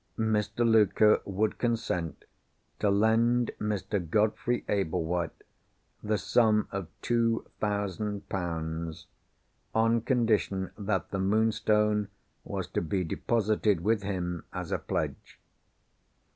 Mr. Luker would consent to lend Mr. Godfrey Ablewhite the sum of two thousand pounds, on condition that the Moonstone was to be deposited with him as a pledge.